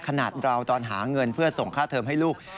ขนาดเราตอนหาเงินเพื่อส่งค่าเทิมให้ลูก